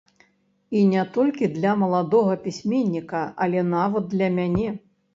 І не толькі для маладога пісьменніка, але нават для мяне.